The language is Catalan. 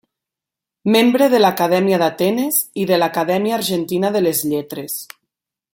Membre de l'Acadèmia d'Atenes i de l'Acadèmia Argentina de les Lletres.